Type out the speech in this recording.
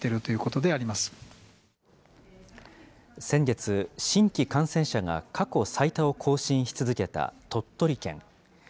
先月、新規感染者が過去最多を更新し続けた鳥取県。